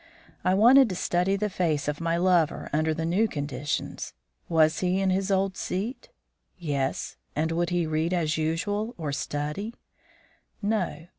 I wanted to study the face of my lover under the new conditions. Was he in his old seat? Yes. And would he read, as usual, or study? No.